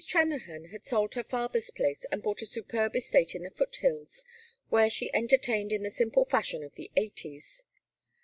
Trennahan had sold her father's place, and bought a superb estate in the foothills, where she entertained in the simple fashion of the Eighties.